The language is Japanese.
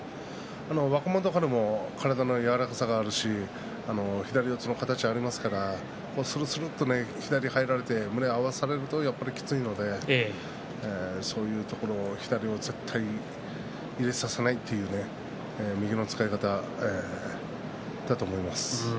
若元春も体の柔らかさがあるし左四つの形がありますからするすると左入られて胸を合わされるとやっぱりきついのでそういうところ、左を絶対入れさせないというね右の使い方だと思います。